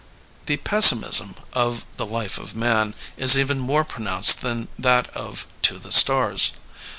'' The pessimism of the Life of Man is even more pronounced than that of To the Stars.